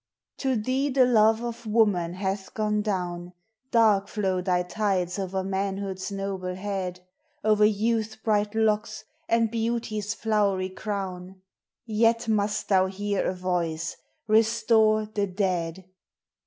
To thee the love of woman hath gone down, Dark flow thv tides o'er manhood's noble head, O'er youth's bright locks, and beauty's flowery crown ; Yet must thou hear a voice, — Restore the dead!